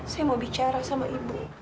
saya mau bicara sama ibu